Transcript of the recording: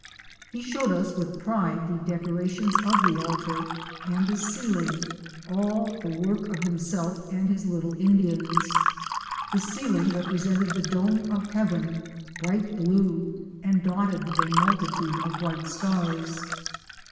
He showed us with pride the decorations of the altar and the ceiling, all the work of him self and his little Indians. The ceiling represented the dome of heaven, bright blue, and dotted with a multitude of white stars.